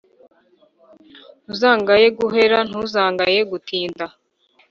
Uzangaye guhera ntuzangaye gutinda.